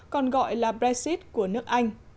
còn gọi là brexit của nước anh